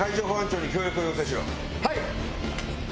はい！